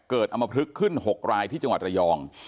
อำมพลึกขึ้น๖รายที่จังหวัดระยอง